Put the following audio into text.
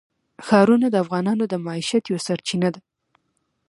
ښارونه د افغانانو د معیشت یوه سرچینه ده.